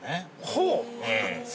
◆ほう。